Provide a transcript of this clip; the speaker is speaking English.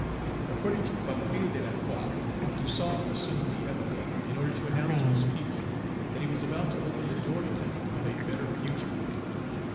According to Pamphile de Lacroix, Toussaint assumed the epithet, in order to announce to his people that he was about to open the door to them of a better future.